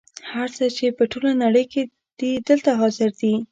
هر څه چې په ټوله نړۍ کې دي دلته حاضر دي.